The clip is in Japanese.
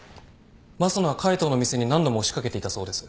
益野は海藤の店に何度も押し掛けていたそうです。